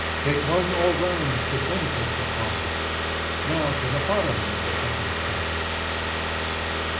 Take one all round to benefit the pub. Now for the bottom of the pickle tub."